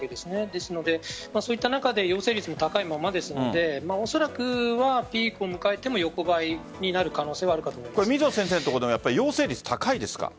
ですので、そういった中で陽性率も高いままですのでおそらくピークを迎えても横ばいになる可能性は水野先生のところでも陽性率は高いですか？